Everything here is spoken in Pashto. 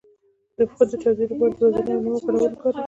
د پښو د چاودیدو لپاره د ویزلین او لیمو ګډول وکاروئ